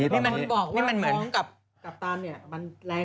นี่มันเหมือนนี่มันเหมือนนี่มันเหมือนนี่มันเหมือน